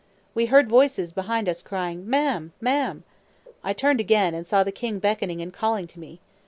We heard voices behind us crying. "Mam! Mam!" I turned again, and saw the king beckoning and calling to me.